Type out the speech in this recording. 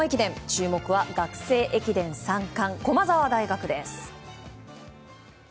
注目は学生駅伝３冠駒澤大学です。